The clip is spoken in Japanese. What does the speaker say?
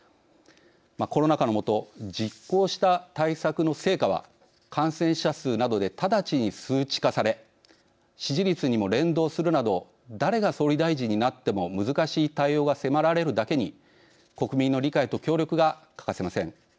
コロナ禍の下実行した対策の成果は感染者数などで直ちに数値化され支持率にも連動するなど誰が総理大臣になっても難しい対応が迫られるだけに国民の理解と協力が欠かせません。